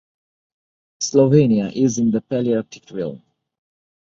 Slovenia is in the Palearctic realm.